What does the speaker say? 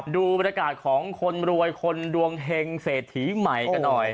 ดูบรรยากาศของคนรวยคนดวงเฮงเศรษฐีใหม่กันหน่อย